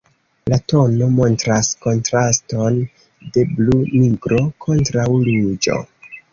La tono montras kontraston de blu-nigro kontraŭ ruĝo.